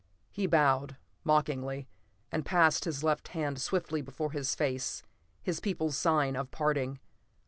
He bowed, mockingly, and passed his left hand swiftly before his face, his people's sign of parting.